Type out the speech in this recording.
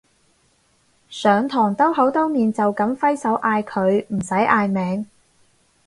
上堂兜口兜面就噉揮手嗌佢唔使嗌名